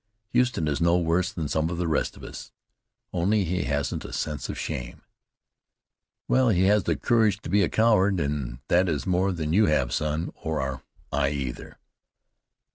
"Huston is no worse than some of the rest of us, only he hasn't a sense of shame." "Well, he has the courage to be a coward, and that is more than you have, son, or I either."